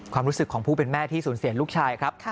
ความรู้สึกของผู้เป็นแม่ที่สูญเสียลูกชายครับ